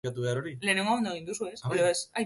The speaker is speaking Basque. Bakarlari modura ere diskoak kaleratu izan ditu.